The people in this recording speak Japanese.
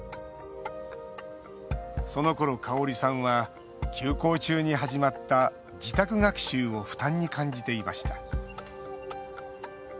そのころ、かおりさんは休校中に始まった自宅学習を負担に感じていました。